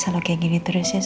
selalu kayak gini terus ya